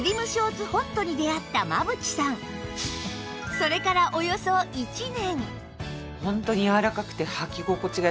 それからおよそ１年